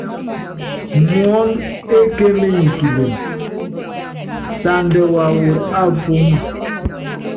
Muɔ́n ekémenyi kilembi, sandɛ waawɔ afúúma.